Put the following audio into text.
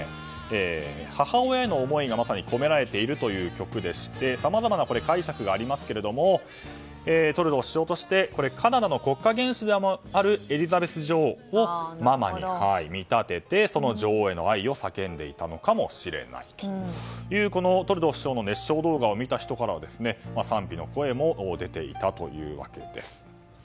母親への思いが込められている曲でしてさまざまな解釈がありますけどもトルドー首相としてカナダの国家元首でもあるエリザベス女王をママに見立てて、女王への愛を叫んでいたのかもしれないというトルドー首相の熱唱動画を見た人からは賛否の声も出ていたというわけです。